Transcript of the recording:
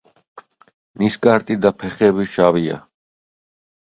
ნისკარტი და ფეხები შავია.